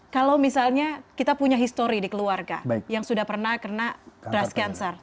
kalau misalnya kita punya histori di keluarga yang sudah pernah kena dress cancer